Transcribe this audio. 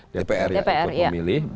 dpr ya untuk memilih